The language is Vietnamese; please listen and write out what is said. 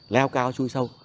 leo cao chui sâu